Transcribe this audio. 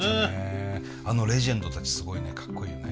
あのレジェンドたちすごいねかっこいいよね。